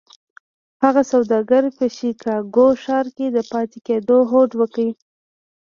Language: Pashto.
هغه سوداګر په شيکاګو ښار کې د پاتې کېدو هوډ وکړ.